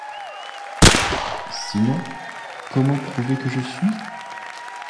Sinon, comment prouver que je suis ?